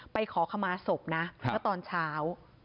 ไปขอขมาศพนะแล้วตอนเช้า